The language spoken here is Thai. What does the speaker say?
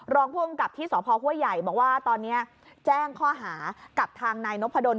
รองผู้กำกับที่สพห้วยใหญ่บอกว่าตอนนี้แจ้งข้อหากับทางนายนพดล